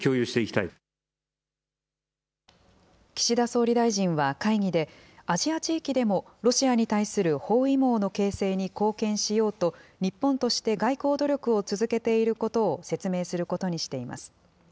岸田総理大臣は会議で、アジア地域でもロシアに対する包囲網の形成に貢献しようと、日本として外交努力を続けていることを説明することにしています。